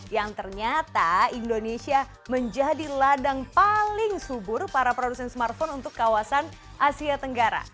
yang ternyata indonesia menjadi ladang paling subur para produsen smartphone untuk kawasan asia tenggara